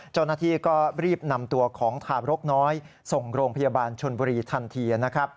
เจ้านาธิรีบนำตัวของทาบรกน้อยส่งโรงพยาบาลชนบุรีทันที